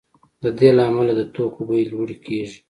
د دې له امله د توکو بیې لوړې کیږي